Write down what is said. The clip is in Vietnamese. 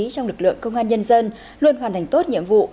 trong lực lượng công an nhân dân luôn hoàn thành tốt nhiệm vụ